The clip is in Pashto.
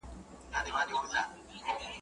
دا فاني دنیا تیریږي بیا به وکړی ارمانونه.